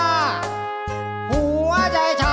หัวจะเจ็บหลบหน้าไปไหนหรือลืมสัญญาที่เจ้าให้ดูใจ